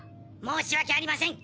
申し訳ありません。